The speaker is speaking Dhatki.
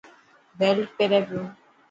بيلٽ پيري پيو.